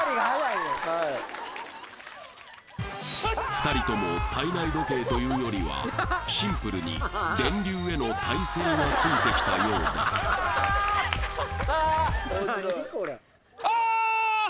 ２人とも体内時計というよりはシンプルに電流への耐性がついてきたようだあーっ！